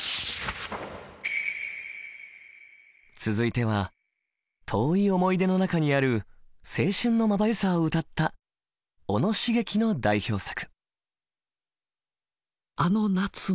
続いては遠い思い出の中にある青春のまばゆさを歌った小野茂樹の代表作。